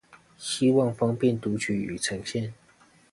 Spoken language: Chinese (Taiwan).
希望方便讀取與呈現